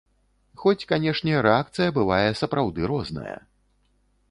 Хоць, канешне, рэакцыя бывае сапраўды розная.